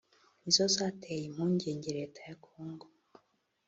nizo zateye impungenge Leta ya Congo